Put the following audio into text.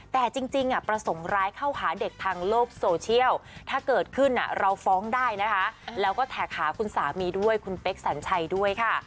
แต่จริงประสงค์ร้ายเข้าหาเด็กทางโลกโซเชียลถ้าเกิดขึ้นเราฟ้องได้นะคะแล้วก็แท็กหาคุณสามีด้วยคุณเป๊กสัญชัยด้วยค่ะ